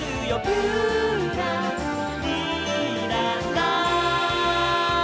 「ぴゅらりらら」